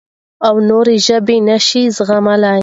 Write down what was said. او نورې ژبې نه شي زغملی.